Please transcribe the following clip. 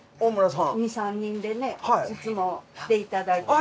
２３人でねいつも来ていただいて。